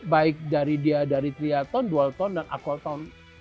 baik dari dia dari triathlon dualtron dan aquatron